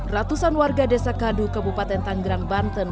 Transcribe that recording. ratusan warga desa kadu kabupaten tanggerang banten